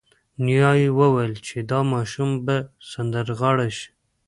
نیا یې وویل چې دا ماشوم به سندرغاړی شي